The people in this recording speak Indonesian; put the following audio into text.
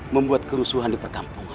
membuat kerusuhan di perkampungan